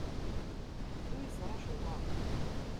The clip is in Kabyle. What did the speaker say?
Ḥedd ur yeẓri acuɣer.